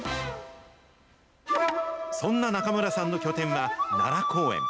そんな中村さんの拠点は奈良公園。